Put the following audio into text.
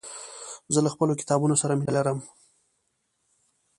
زه له خپلو کتابونو سره مينه لرم.